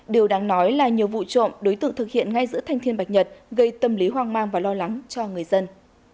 điều đáng nói là nhiều vụ trộm đối tượng thực hiện ngay giữa thanh thiên bạch nhật gây tâm lý hoang mang và lo lắng cho người dân